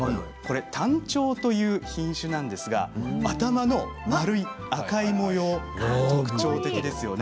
丹頂という品種なんですが頭の丸い赤い模様が特徴的ですよね。